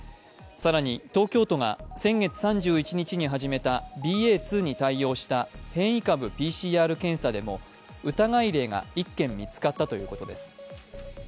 更に、東京都が先月３１日に始めたＢＡ．２に対応した変異株ＰＣＲ検査でも疑い例が１件見つかったということです。